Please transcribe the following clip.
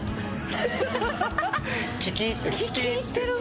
聴き入ってる。